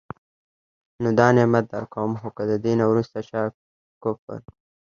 نو دا نعمت درکوم، خو که د دي نه وروسته چا کفر